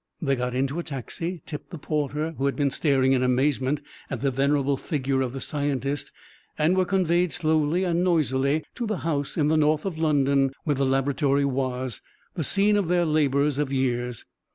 They got into a taxi, tipped the porter, who had been staring in amazement at the venerable figure of the scientist, and were conveyed slowly and noisily to the house in the north of London where the laboratory was, the scene of their labours of years.